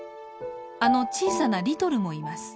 あの小さなリトルもいます。